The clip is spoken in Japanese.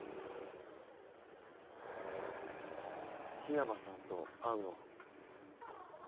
緋山さんと会うの？